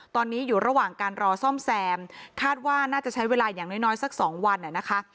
ตอนนี้อยู่ระหว่างการรอซ่อมแซมคาดว่าน่าจะใช้เวลาอย่างน้อยสักสองวันนะคะ